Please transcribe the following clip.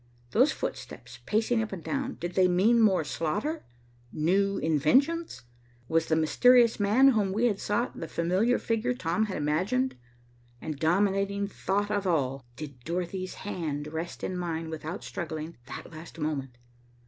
Those footsteps pacing up and down, did they mean more slaughter, new inventions? Was the mysterious man whom we had sought, the familiar figure Tom had imagined; and dominating thought of all, did Dorothy's hand rest in mine without struggling that last moment?